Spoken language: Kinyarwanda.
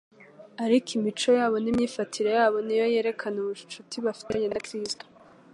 ariko imico yabo n'imyifatire yabo ni yo yerekana ubucuti bafitanye na Kristo.